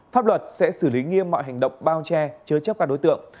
pháp luật sẽ xử lý nghiêm mọi hành động bao che chứa chấp các đối tượng